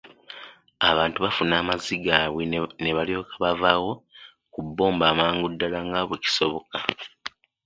Abantu bafuna amazzi gaabwe ne balyoka bavaawo ku bbomba amangu ddala nga bwe kisoboka.